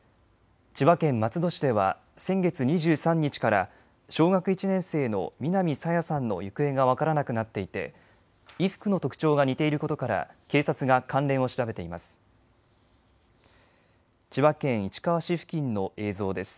千葉県松戸市では先月２３日から小学１年生の南朝芽さんの行方が分からなくなっていて衣服の特徴が似ていることから警察が関連を調べています。